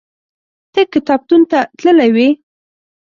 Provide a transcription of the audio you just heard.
ته کتابتون ته تللی وې؟